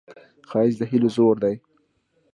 ښایست د هیلو زور دی